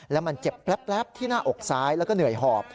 แล้วมันเจ็บแป๊บที่หน้าอกซ้ายแล้วก็เหนื่อยหอบ